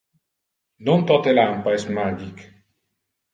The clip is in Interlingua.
Non tote lampa es magic.